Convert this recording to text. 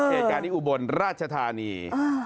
เหตุการณ์ที่อุบลราชธานี